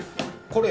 これ？